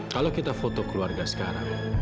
kalau kita foto keluarga sekarang